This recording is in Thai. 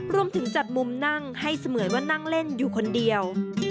รวมถึงจัดมุมนั่งให้เสมือนว่านั่งเล่นอยู่คนเดียว